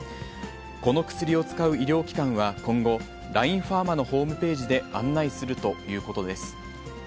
この薬を使う医療機関は、今後、ラインファーマのホームページで案内するということです。